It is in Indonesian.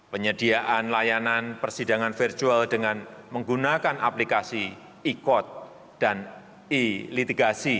penyediaan layanan persidangan virtual dengan menggunakan aplikasi e court dan e litigasi